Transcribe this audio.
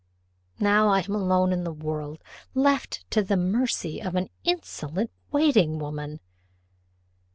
Now I am alone in the world left to the mercy of an insolent waiting woman."